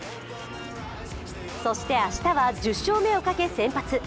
そして、明日は１０勝目をかけ先発。